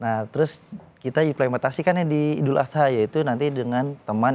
nah terus kita implementasikannya di idul adha yaitu nanti dengan teman